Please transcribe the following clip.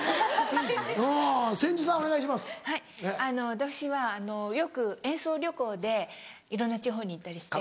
私はよく演奏旅行でいろんな地方に行ったりして。